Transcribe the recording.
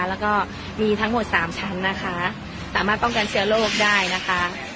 แล้วก็มีทั้งหมด๓ชั้นนะคะสามารถป้องกันเชื้อโรคได้นะคะ